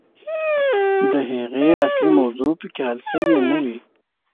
د هغې اصلي موضوع پکښې حل سوې نه وي.